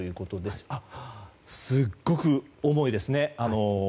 すっごく重いですね。